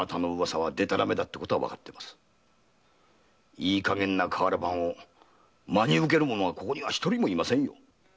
いいかげんな瓦版を真に受ける者はここには一人もいませんよ。